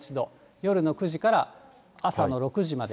夜の９時から朝の６時まで。